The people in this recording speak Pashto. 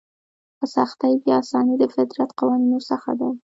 په سختي کې اساني د فطرت قوانینو څخه دی.